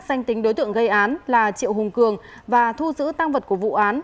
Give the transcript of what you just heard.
danh tính đối tượng gây án là triệu hùng cường và thu giữ tăng vật của vụ án